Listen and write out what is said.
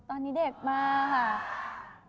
ตอนนี้เด็กมากค่ะ